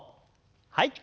はい。